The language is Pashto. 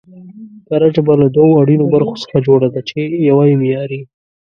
کره ژبه له دوو اړينو برخو څخه جوړه ده، چې يوه يې معياري